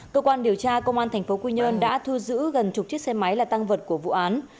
cơ quan điều tra công an tp quy nhơn đã thu giữ gần chục chiếc xe máy là tăng vật của vụ án